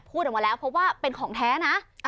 พูดออกมาแล้วเพราะว่าเป็นของแท้นะ